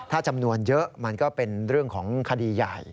ถ้าจำนวนเยอะมันก็เป็นเรื่องของคดีใหญ่